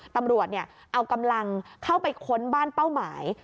ตำรวจเอากำลังเข้าไปค้นบ้านเป้าหมาย